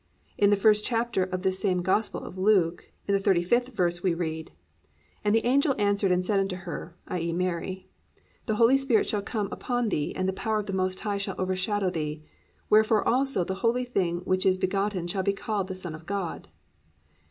In the first chapter of this same Gospel of Luke, in the 35th verse, we read, +"And the angel answered and said unto her+ (i.e., Mary), +the Holy Spirit shall come upon thee, and the power of the Most High shall overshadow thee: wherefore also the holy thing, which is begotten shall be called the Son of God."